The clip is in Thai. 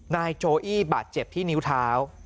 นายโจอี้บาดเจ็บที่นิ้วเท้า